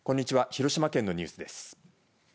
広島県のニュースです。